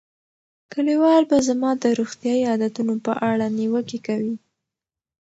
کلیوال به زما د روغتیايي عادتونو په اړه نیوکې کوي.